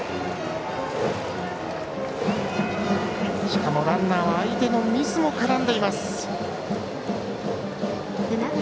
しかもランナーは相手のミスも絡んでいます。